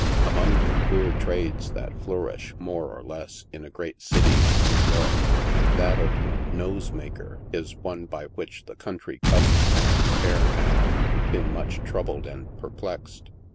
Among the queer trades that flourish, more or less, in a great city like New York, that of the " nose maker" is one by which the coun try cousin has, ere now, been much troubled and perplexed.